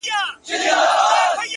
د حقیقت رڼا شکونه کموي؛